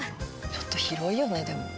ちょっと広いよねでも。